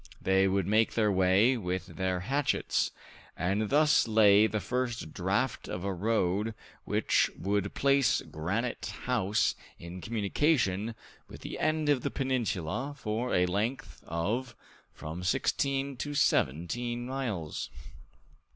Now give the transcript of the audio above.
They would make their way with their hatchets, and thus lay the first draft of a road which would place Granite House in communication with the end of the peninsula for a length of from sixteen to seventeen miles.